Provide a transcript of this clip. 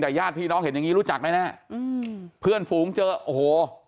แต่ญาติพี่น้องเห็นอย่างงี้รู้จักแน่แน่อืมเพื่อนฝูงเจอโอ้โห